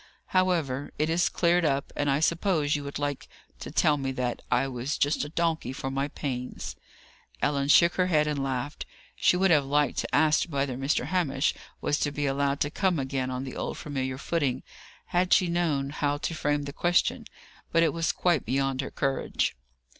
However, it is cleared up; and I suppose you would like to tell me that I was just a donkey for my pains." Ellen shook her head and laughed. She would have liked to ask whether Mr. Hamish was to be allowed to come again on the old familiar footing, had she known how to frame the question. But it was quite beyond her courage.